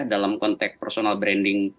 dalam konteks personal branding